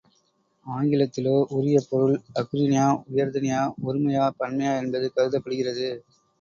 ஆங்கிலத்திலோ, உரிய பொருள் அஃறிணையா உயர் திணையா ஒருமையா பன்மையா என்பது கருதப்படுகிறது.